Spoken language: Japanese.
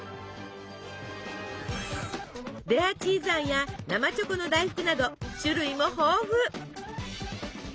レアチーズあんや生チョコの大福など種類も豊富。